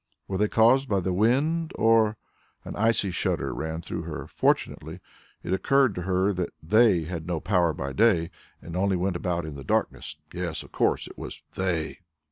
Were they caused by the wind, or ? An icy shudder ran through her; fortunately it occurred to her that "they" had no power by day, and only went about in the darkness. Yes, of course it was "they."